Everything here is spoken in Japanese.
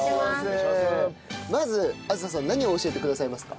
まず梓さん何を教えてくださいますか？